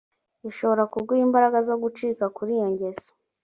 bishobora kuguha imbaraga zo gucika kuri iyo ngeso